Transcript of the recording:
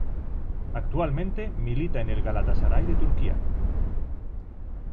Actualmente milita en el Galatasaray de Turquía.